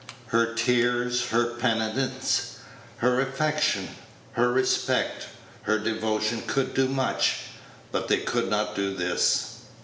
Her tears, her penitence, her affection, her respect, her devotion could do much, but they could not do this.